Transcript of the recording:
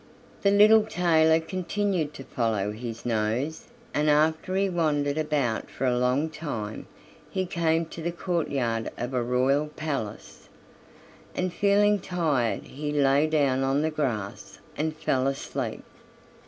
The little tailor continued to follow his nose, and after he had wandered about for a long time he came to the courtyard of a royal palace, and feeling tired he lay down on the grass and fell asleep.